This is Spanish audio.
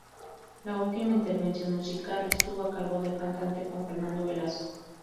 La última intervención musical estuvo a cargo del cantante Juan Fernando Velasco.